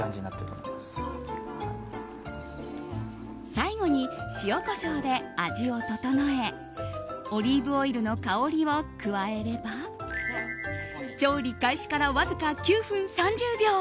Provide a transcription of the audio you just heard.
最後に塩、コショウで味を調えオリーブオイルの香りを加えれば調理開始から、わずか９分３０秒。